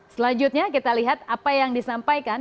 selanjutnya kita lihat apa yang disampaikan